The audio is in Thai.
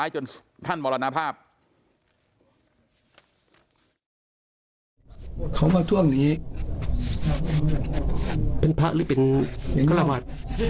จะมาพูด